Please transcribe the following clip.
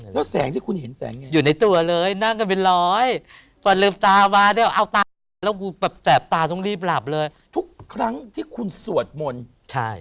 แล้วแสงที่คุณเห็นแสงอย่างไร